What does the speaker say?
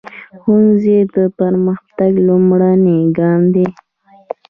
ښوونځی د پرمختګ لومړنی ګام دی.